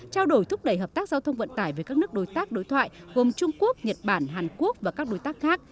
trao đổi thúc đẩy hợp tác giao thông vận tải với các nước đối tác đối thoại gồm trung quốc nhật bản hàn quốc và các đối tác khác